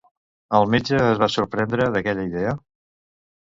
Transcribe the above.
El metge es va sorprendre d'aquella idea?